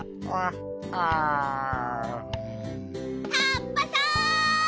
カッパさん！